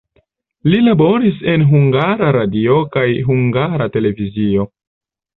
Li laboris en Hungara Radio kaj Hungara Televizio.